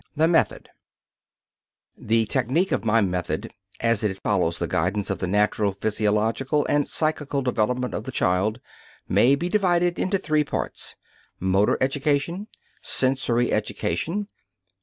THE METHOD The technique of my method as it follows the guidance of the natural physiological and psychical development of the child, may be divided into three parts: Motor education. Sensory education.